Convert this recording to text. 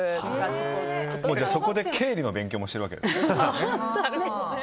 そこで経理の勉強もしているわけですね。